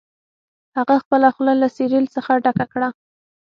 هغه خپله خوله له سیریل څخه ډکه کړه